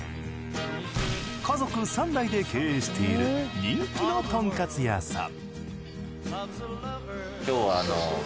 家族３代で経営している人気のとんかつ屋さん。